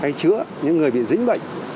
chúng ta chỉ cứu hay chữa những người bị dính bệnh